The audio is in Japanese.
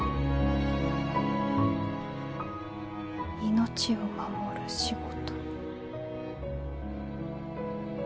「命を守る仕事」。